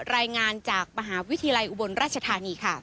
รายงานจากมหาวิทยาลัยอุบลราชธานีค่ะ